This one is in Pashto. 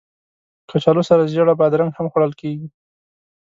کچالو سره زېړه بادرنګ هم خوړل کېږي